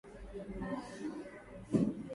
Baba yangu ari kufa ana nyacha na myaka tatu